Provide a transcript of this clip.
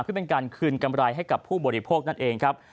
เพื่อเป็นการคืนกำไรให้กับผู้บริโภคนั่นเองครับ